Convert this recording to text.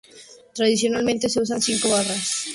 Tradicionalmente se usan cinco barras.